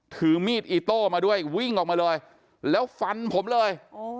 ถือมีดอีโต้มาด้วยวิ่งออกมาเลยแล้วฟันผมเลย